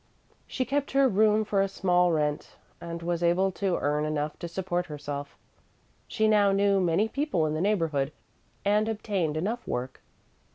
She kept her room for a small rent, and was able to earn enough to support herself. She now knew many people in the neighborhood, and obtained enough work.